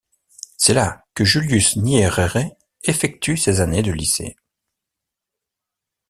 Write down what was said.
C'est là que Julius Nyerere effectue ses années de lycée.